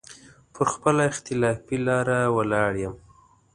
پر خپله اختلافي لاره ولاړ يم.